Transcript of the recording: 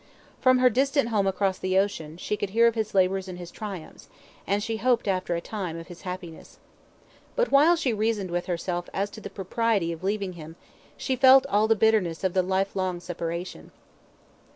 From her distant home across the ocean, she could hear of his labours and his triumphs, and, she hoped, after a time, of his happiness. But while she reasoned with herself as to the propriety of leaving him, she felt all the bitterness of the lifelong separation.